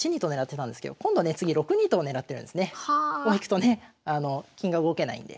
こう行くとね金が動けないんで。